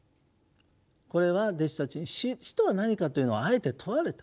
これは弟子たちに「死とは何か」というのをあえて問われた。